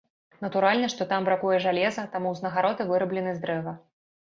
Натуральна, што там бракуе жалеза, таму ўзнагароды выраблены з дрэва.